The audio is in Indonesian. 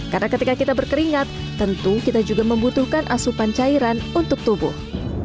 karena ketika kita berkeringat tentu kita juga membutuhkan asupan cairan untuk tubuh